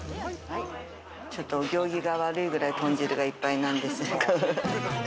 ちょっとお行儀が悪いくらい、豚汁がいっぱいなんです。